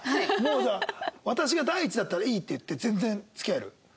じゃあ「私が第一だったらいい」って言って全然付き合える？